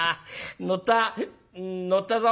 乗った乗ったぞ」。